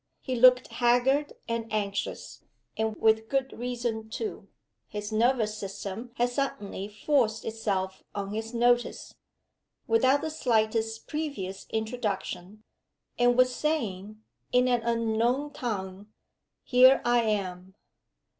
He looked haggard and anxious and with good reason too. His nervous system had suddenly forced itself on his notice, without the slightest previous introduction, and was saying (in an unknown tongue), Here I am!